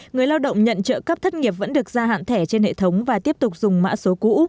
người lao động nhận trợ cấp thất nghiệp vẫn được gia hạn thẻ trên hệ thống và tiếp tục dùng mã số cũ